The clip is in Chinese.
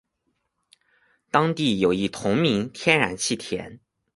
当地有一同名天然气田。